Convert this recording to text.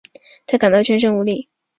她感到全身无力